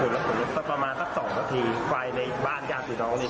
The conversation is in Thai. แล้วไปดูดน้องสาวดูดแบบรูดเลย